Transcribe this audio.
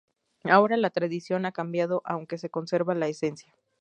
Ahora la tradición ha cambiado aunque se conserva la esencia.